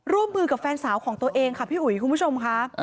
ร่วมมือกับแฟนสาวของตัวเองค่ะพี่อุ๋ยคุณผู้ชมค่ะ